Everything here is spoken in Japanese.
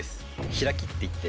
「開き」っていって。